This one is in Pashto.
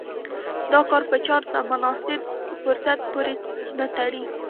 دا کار په چانس او مناسب فرصت پورې نه تړي.